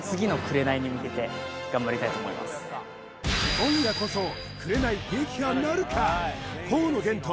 今夜こそ「紅」撃破なるか河野玄斗